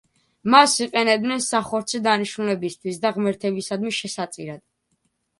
მას იყენებდნენ სახორცე დანიშნულებისთვის და ღმერთებისადმი შესაწირად.